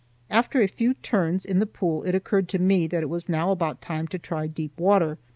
After a few turns in the pool, it occurred to me that it was now about time to try deep water.